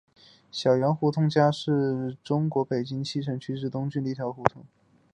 小杨家胡同是位于中国北京市西城区东北部的一条胡同。